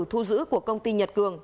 thu giữ của công ty nhật cường